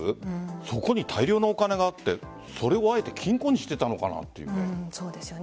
そこに大量のお金があってそれをあえて金庫にしていたのかなというね。